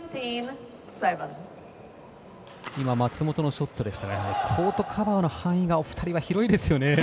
松本のショットでしたがコートカバーの範囲が２人が広いですよね。